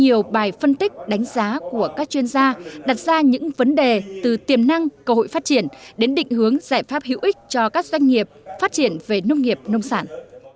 nhiều bài phân tích đánh giá của các chuyên gia đặt ra những vấn đề từ tiềm năng cơ hội phát triển đến định hướng giải pháp hữu ích cho các doanh nghiệp phát triển về nông nghiệp nông sản